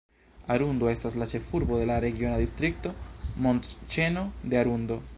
Arundo estas la ĉefurbo de la regiona distrikto "Montĉeno de Arundo".